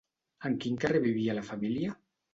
En quin carrer vivia la família?